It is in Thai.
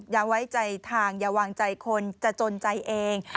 อย่าไว้ใจทางอย่าวางใจคนจะจนใจเอง